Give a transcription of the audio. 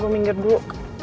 gue minggir dulu